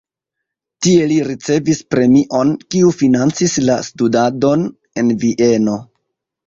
Tie li ricevis premion, kiu financis la studadon en Vieno.